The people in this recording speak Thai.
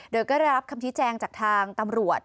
โดยก็ได้รับคำชี้แจงจากทางตำรวจ